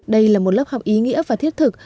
đây là một lớp học ý nghĩa và thiết thực